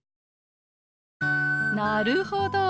なるほど。